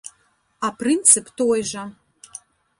А прынцып той жа.